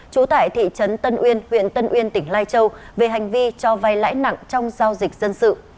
trú tại thị trấn tân uyên huyện tân uyên tỉnh lai châu về hành vi cho vay lãi nặng trong giao dịch dân sự